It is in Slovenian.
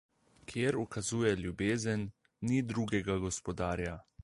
Kjer ukazuje ljubezen, ni drugega gospodarja.